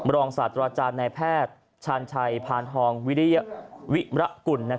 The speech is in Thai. รองสาธาราชาณาแพทย์ชาญชัยพานฮองวิริยะวิระกุล